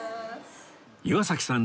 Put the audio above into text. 岩崎さん